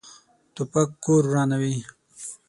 توپک کور ورانوي.